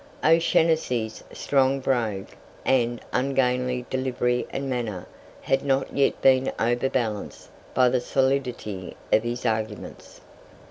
O'Shanassy's strong brogue, and ungainly delivery and manner, had not yet been overbalanced by the solidity of his arguments.